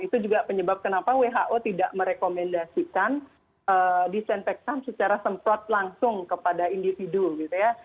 itu juga penyebab kenapa who tidak merekomendasikan disinfektan secara semprot langsung kepada individu gitu ya